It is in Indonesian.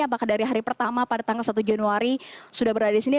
apakah dari hari pertama pada tanggal satu januari sudah berada di sini